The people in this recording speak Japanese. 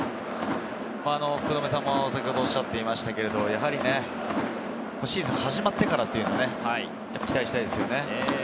福留さんもおっしゃっていましたけれど、シーズン始まってからというのに期待したいですよね。